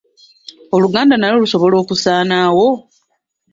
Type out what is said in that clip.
Oluganda nalwo lusobola okusaanawo?